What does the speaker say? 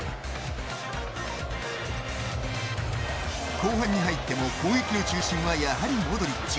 後半に入っても攻撃の中心はやはり、モドリッチ。